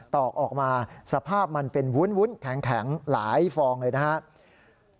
ตอกออกมาสภาพมันเป็นวุ้นแข็งหลายฟองเลยนะครับ